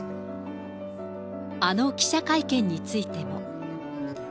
あの記者会見についても。